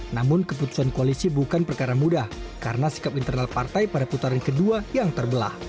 namun keputusan koalisi bukan perkara mudah karena sikap internal partai pada putaran kedua yang terbelah